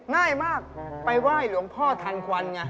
ง่ายมากไปไหว้หลวงพ่อทันควันไง